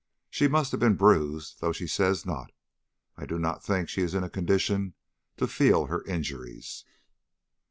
She must have been bruised, though she says not. I do not think she is in a condition to feel her injuries."